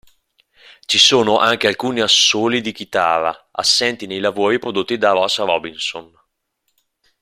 Ci sono anche alcuni assoli di chitarra, assenti nei lavori prodotti da Ross Robinson.